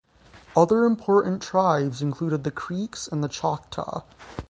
Other important tribes included the Creeks and Choctaw.